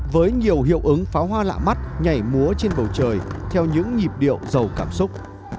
với nhiều hiệu ứng pháo hoa lạ mắt nhảy múa trên bầu trời theo những nhịp điệu giàu cảm xúc